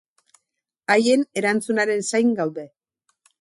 Haien erantzunaren zain gaude.